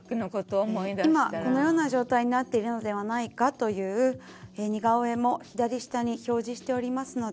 今このような状態になっているのではないかという似顔絵も左下に表示しておりますので。